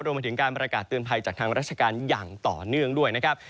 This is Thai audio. มาถึงการประกาศเตือนภัยจากทางราชการอย่างต่อเนื่องด้วยนะครับ